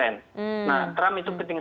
nah trump itu penting